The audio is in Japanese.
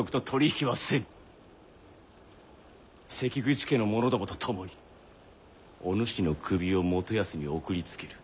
関口家の者どもと共にお主の首を元康に送りつける。